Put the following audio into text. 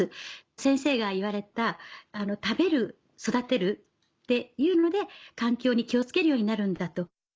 先生が言われた「食べる育てるっていうので環境に気を付けるようになるんだ」と。